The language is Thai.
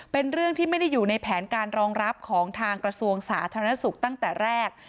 เป็นเรื่องที่ไม่ได้อยู่ในแผนการรองรับของทางกระทรวงสาธารณสุขตั้งแต่แรก